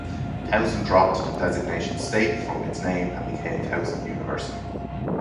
Towson dropped the designation "state" from its name and became Towson University.